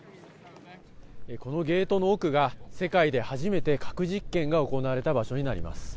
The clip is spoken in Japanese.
このゲートの奥が、世界で初めて核実験が行われた場所になります。